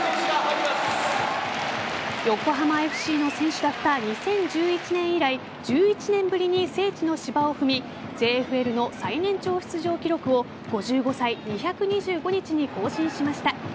横浜ＦＣの選手だった２０１１年以来１１年ぶりに聖地の芝を踏みＪＦＬの最年長出場記録を５５歳２２５日に更新しました。